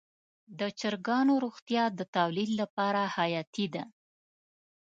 د چرګانو روغتیا د تولید لپاره حیاتي ده.